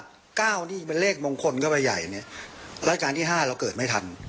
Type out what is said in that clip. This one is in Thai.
รัฐการณ์ที่๙นี่เป็นเลขมงคลเข้าไปใหญ่เนี่ยรัฐการณ์ที่๕เราเกิดไม่ทัน